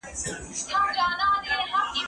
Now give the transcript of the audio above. امادګي وکړه؟